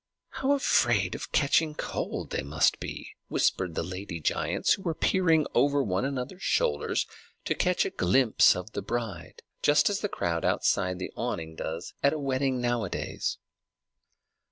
"How afraid of catching cold they must be!" whispered the giant ladies, who were peering over one another's shoulders to catch a glimpse of the bride, just as the crowd outside the awning does at a wedding nowadays.